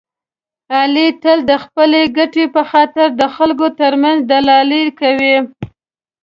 علي تل د خپلې ګټې په خاطر د خلکو ترمنځ دلالي کوي.